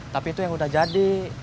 tapi itu yang udah jadi